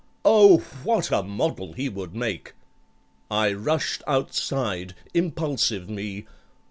"Oh, what a model he would make!" I rushed outside—impulsive me!